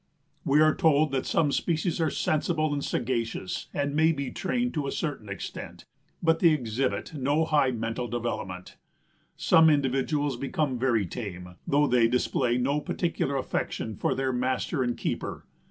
We are told that "some species are sensible and sagacious and may be trained to a certain extent; but they exhibit no high mental development. Some individuals become very tame, though they display no particular affection for their master and keeper.